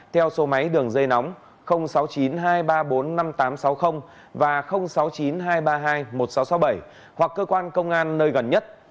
theo số máy đường dây nóng sáu mươi chín hai trăm ba mươi bốn năm nghìn tám trăm sáu mươi và sáu mươi chín hai trăm ba mươi hai một nghìn sáu trăm sáu mươi bảy hoặc cơ quan công an nơi gần nhất